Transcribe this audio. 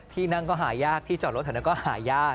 ที่นั่งก็หายากที่จอดรถแถวนั้นก็หายาก